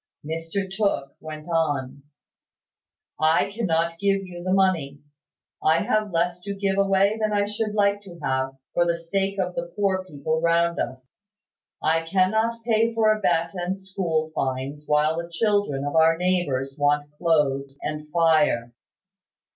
Mr Tooke went on. "I cannot give you the money. I have less to give away than I should like to have, for the sake of the poor people round us. I cannot pay for a bet and school fines while the children of our neighbours want clothes and fire."